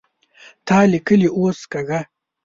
تا ليکلې اوس کږه